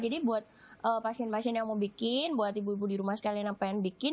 jadi buat pasien pasien yang mau bikin buat ibu ibu di rumah sekalian yang pengen bikin